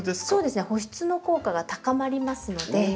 そうですね保湿の効果が高まりますので。